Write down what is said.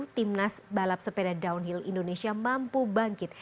timnas balap sepeda downhill indonesia mampu bangkit